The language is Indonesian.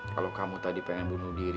kalau kamu tadi pengen bunuh diri